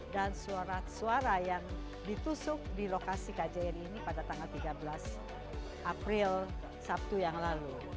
dan surat suara yang ditusuk di lokasi kjri ini pada tanggal tiga belas april sabtu yang lalu